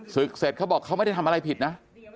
ศึกเสร็จเขาบอกเขาไม่ได้ทำอะไรผิดนะ